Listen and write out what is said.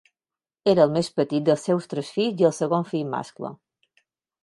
Era el més petit dels seus tres fills i el segon fill mascle.